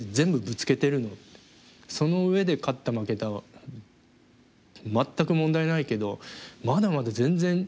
「その上で勝った負けたは全く問題ないけどまだまだ全然みんなできるよ」